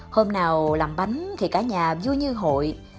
hôm nào làm bánh thì cả nhà vui như hội